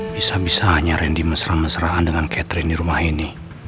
bisa bisa hanya randy mesra mesraan dengan catherine di rumah ini